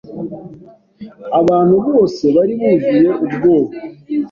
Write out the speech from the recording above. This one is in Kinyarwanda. Abantu bose bari buzuye ubwoba"